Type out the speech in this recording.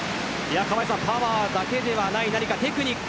パワーだけではないテクニック。